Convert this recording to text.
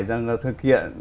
rằng là thực hiện